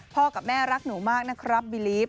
กับแม่รักหนูมากนะครับบิลีฟ